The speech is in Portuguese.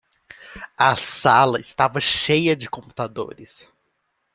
A sala estava cheia de computadores.